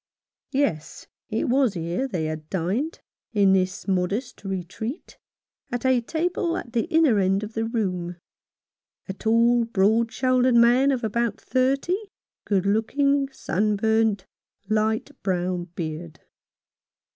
Yes, it was here they had dined, in this modest retreat, at a table at the inner end of the room ; a tall, broad shouldered man of about thirty, good looking, sunburnt, light brown beard.